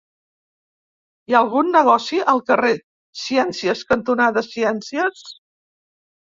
Hi ha algun negoci al carrer Ciències cantonada Ciències?